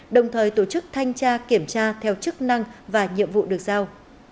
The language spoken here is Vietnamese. đồng thời tổ chức thanh tra kiểm tra theo chức năng và nhiệm vụ được giao